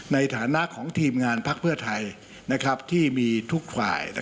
ในฐานะของทีมงานพักเพื่อไทยที่มีทุกฝ่าย